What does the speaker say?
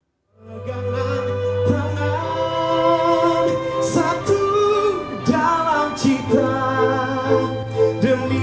pemegang tangan satu dalam cita